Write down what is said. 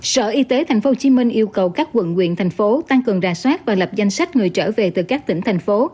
sở y tế tp hcm yêu cầu các quận nguyện thành phố tăng cường rà soát và lập danh sách người trở về từ các tỉnh thành phố